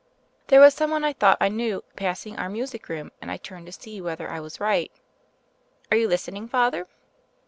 There was some one I thought I knew passing our music room, and I turned to see whether I was right. Are you listening. Father?"